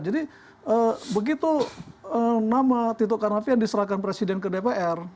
jadi begitu nama tito karnavian diserahkan presiden ke dpr